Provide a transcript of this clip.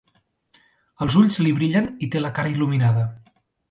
Els ulls li brillen i té la cara il·luminada.